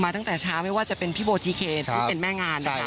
ตั้งแต่เช้าไม่ว่าจะเป็นพี่โบจิเคนซึ่งเป็นแม่งานนะคะ